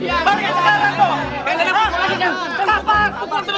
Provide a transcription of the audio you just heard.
kembalikan sekarang pak